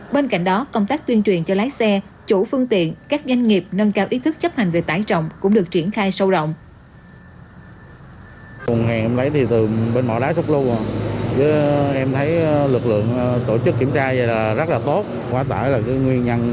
bên cạnh đó công tác tuyên truyền cho lái xe chủ phương tiện các doanh nghiệp nâng cao ý thức chấp hành về tải trọng cũng được triển khai sâu rộng